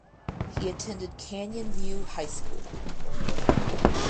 He attended Canyon View High School.